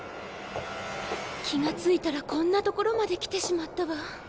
気が付いたらこんな所まで来てしまったわ。